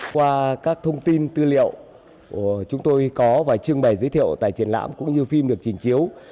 qua các thông tin tư liệu chúng tôi có và trưng bày giới thiệu tại triển lãm cũng như phim được trình chiếu